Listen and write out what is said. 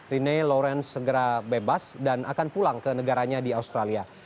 rene lawrence segera bebas dan akan pulang ke negaranya di australia